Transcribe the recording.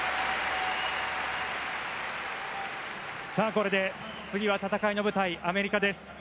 これで次は戦いの舞台はアメリカです。